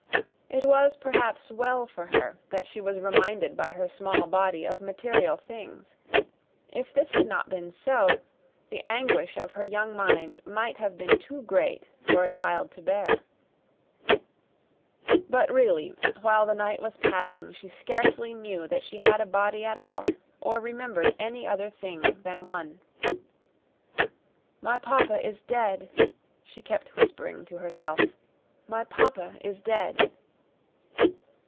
It was, perhaps, well for her that she was reminded by her small body of material things. If this had not been so, the anguish of her young mind might have been too great for a child to bear. But, really, while the night was passing she scarcely knew that she had a body at all or remembered any other thing than one. "My papa is dead!" she kept whispering to herself. "My papa is dead!"